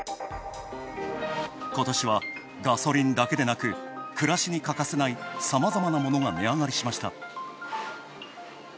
ことしは、ガソリンだけでなく暮らしに欠かせない、さまざまなものが値上がりしました。